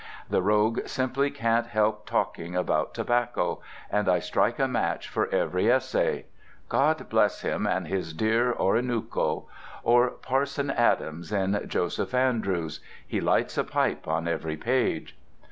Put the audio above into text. The rogue simply can't help talking about tobacco, and I strike a match for every essay. God bless him and his dear "Orinooko!" Or Parson Adams in "Joseph Andrews"—he lights a pipe on every page!